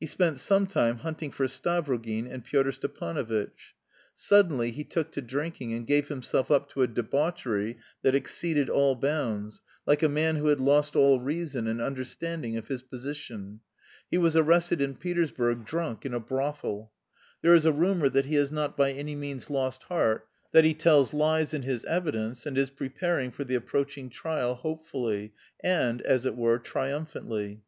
He spent some time hunting for Stavrogin and Pyotr Stepanovitch. Suddenly he took to drinking and gave himself up to a debauchery that exceeded all bounds, like a man who had lost all reason and understanding of his position. He was arrested in Petersburg drunk in a brothel. There is a rumour that he has not by any means lost heart, that he tells lies in his evidence and is preparing for the approaching trial hopefully (?) and, as it were, triumphantly.